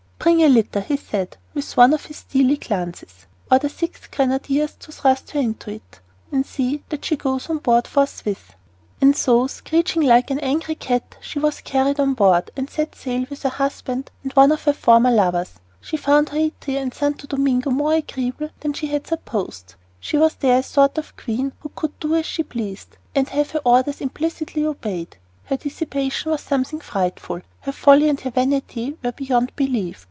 "Bring a litter," he said, with one of his steely glances. "Order six grenadiers to thrust her into it, and see that she goes on board forthwith." And so, screeching like an angry cat, she was carried on board, and set sail with her husband and one of her former lovers. She found Haiti and Santo Domingo more agreeable than she had supposed. She was there a sort of queen who could do as she pleased and have her orders implicitly obeyed. Her dissipation was something frightful. Her folly and her vanity were beyond belief.